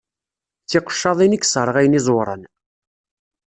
D tiqeccaḍin i yesserɣayen izeɣwṛan.